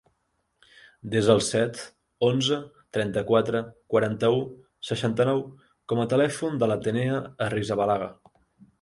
Desa el set, onze, trenta-quatre, quaranta-u, seixanta-nou com a telèfon de l'Atenea Arrizabalaga.